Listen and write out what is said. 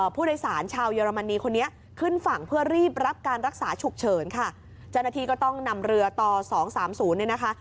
ผู้โดยสารชาวเยอรมนีคนนี้ขึ้นฝั่งเพื่อรีบรับการรักษาฉุกเฉินค่ะเจ้าหน้าที่ก็ต้องนำเรือต่อสองสามศูนย์เนี่ยนะคะ